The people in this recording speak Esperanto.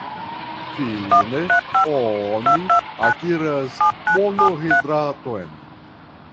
Fine oni akiras monohidraton.